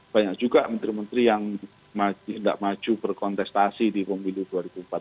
banyak juga menteri menteri yang tidak maju berkontestasi di pemilu dua ribu empat belas